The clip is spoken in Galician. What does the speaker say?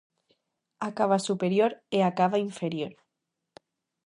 A cava superior e a cava inferior.